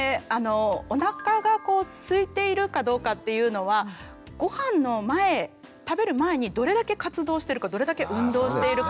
おなかがすいているかどうかっていうのはごはんの前食べる前にどれだけ活動してるかどれだけ運動しているかとか。